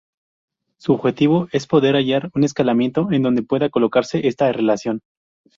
Su objetivo es poder hallar un escalamiento en donde pueda colocarse esta relación.